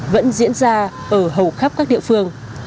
vẫn diễn ra ở hầu khắp các địa phương